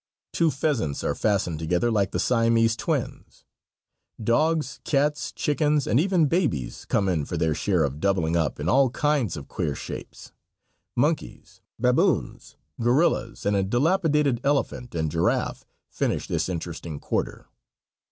Two pheasants are fastened together like the Siamese twins. Dogs, cats, chickens, and even babies come in for their share of doubling up into all kinds of queer shapes. Monkeys, baboons, gorillas and a dilapidated elephant and giraffe finish this interesting quarter.